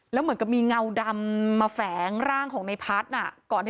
แล้วเหมือนกับมีเงาดำมาแฝงร่างของในพัฒน์ก่อนที่